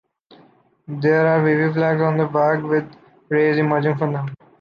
They are wavy flags on the back, with rays emerging from them.